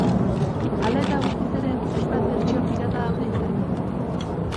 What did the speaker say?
Hala eta guztiz ere, hainbat bertsio pirata daude interneten.